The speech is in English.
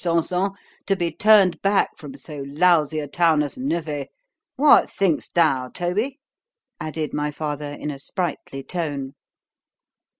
Sanson, to be turned back from so lousy a town as Nevers—What think'st thou, Toby? added my father in a sprightly tone.